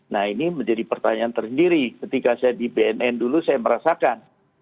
nah ini menjadi pertanyaan tersendiri ketika saya di bnn dulu saya merasakan